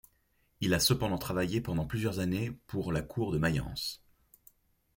Il a cependant travaillé pendant plusieurs années pour la cour de Mayence.